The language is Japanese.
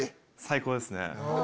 最高ですね。